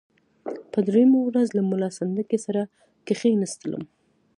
په دریمه ورځ له ملا سنډکي سره کښېنستلم.